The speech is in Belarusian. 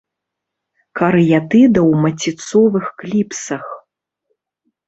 Карыятыда ў маціцовых кліпсах.